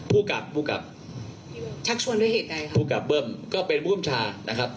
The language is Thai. ผู้กับผู้กลับชักชวนด้วยเหตุใดค่ะภูมิกับเบิ้มก็เป็นผู้บัญชานะครับ